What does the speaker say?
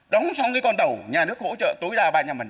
đóng xong cái con tàu nhà nước hỗ trợ tối đa ba mươi năm